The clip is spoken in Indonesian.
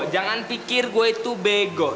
jangan pikir gue itu bego